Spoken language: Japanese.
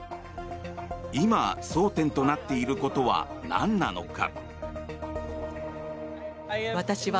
今、争点となっていることは何なのか？